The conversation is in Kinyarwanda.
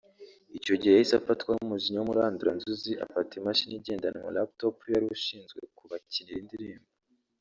Icyo gihe yahise afatwa n’umujinya w’umuranduranzuzi afata imashini igendanwa (lap top) y’uwari ushinzwe kubakinira indirimbo